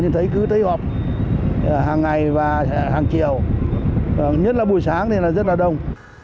nhưng thấy cứ thấy họp hàng ngày và hàng chiều nhất là buổi sáng thì rất là đông